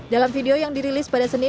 dalam video yang dirilis pada hari ini